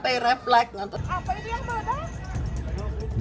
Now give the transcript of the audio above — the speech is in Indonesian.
apa ini yang berubah